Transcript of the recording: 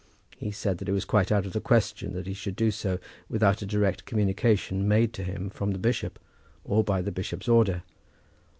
He said that it was quite out of the question that he should do so without a direct communication made to him from the bishop, or by the bishop's order.